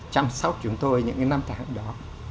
chăm sóc chúng tôi những cái năm tháng đó